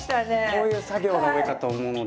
こういう作業が多いかと思うので。